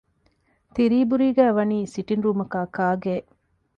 ތިރީބުރީގައި ވަނީ ސިޓިންގ ރޫމަކާއި ކާގެއެއް